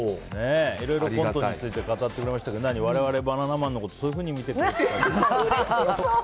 いろいろコントについて語ってくれましたけども我々バナナマンのことそういうふうに見てくれてたんだ。